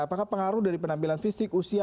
apakah pengaruh dari penampilan fisik usia